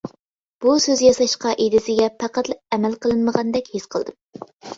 بۇ سۆز ياساش قائىدىسىگە پەقەتلا ئەمەل قىلىنمىغاندەك ھېس قىلدىم.